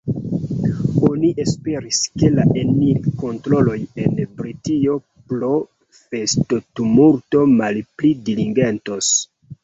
Oni esperis, ke la enir-kontroloj en Britio pro festo-tumulto malpli diligentos.